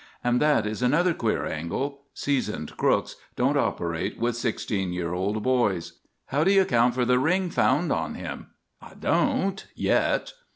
And that is another queer angle: seasoned crooks don't operate with sixteen year old boys." "How do you account for the ring found on him?" "I don't yet."